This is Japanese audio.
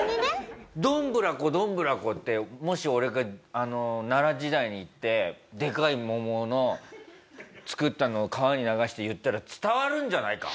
「どんぶらこどんぶらこ」ってもし俺が奈良時代に行ってでかい桃の作ったのを川に流して言ったら伝わるんじゃないか？